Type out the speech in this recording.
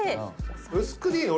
薄くでいいの？